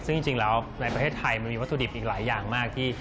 ซึ่งจริงแล้วในประเทศไทยมันมีวัตถุดิบอีกหลายอย่างมากที่